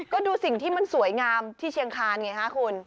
ก็ดูสิ่งที่มันสวยงามที่เชียงคานไงฮะคุณ